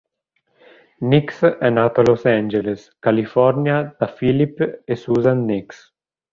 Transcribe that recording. Nix è nato a Los Angeles, California da Philipp e Susan Nix.